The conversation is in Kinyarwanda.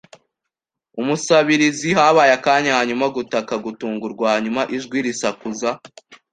umusabirizi. Habaye akanya, hanyuma gutaka gutungurwa, hanyuma ijwi risakuza